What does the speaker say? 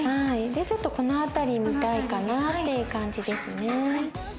ちょっとこのあたり見たいかなっていう感じですね。